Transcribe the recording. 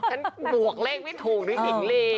หมวกเลขไม่ถูกด้วยหญิงลี